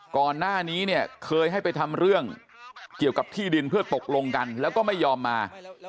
ก่อนหน้านี้เนี่ยเคยให้ไปทำเรื่องเกี่ยวกับที่ดินเพื่อตกลงกันแล้วก็ไม่ยอมมา